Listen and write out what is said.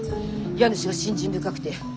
家主が信心深くて。